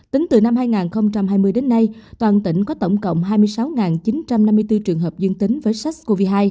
tính từ năm hai nghìn hai mươi đến nay toàn tỉnh có tổng cộng hai mươi sáu chín trăm năm mươi bốn trường hợp dương tính với sars cov hai